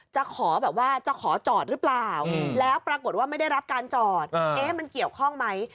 จะขอแบบว่าจะขอจอดหรือเปล่าแล้วปรากฏว่าไม่ได้รับการจอดเอ๊ะมันเกี่ยวข้องไหม